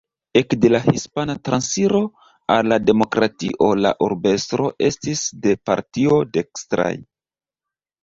Ekde la Hispana transiro al la demokratio la urbestro estis de partioj dekstraj.